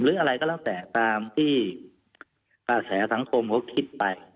หรืออะไรก็แล้วแต่ตามที่กระแสสังคมเขาคิดไป